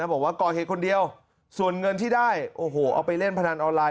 บอกว่าก่อเหตุคนเดียวส่วนเงินที่ได้โอ้โหเอาไปเล่นพนันออนไลน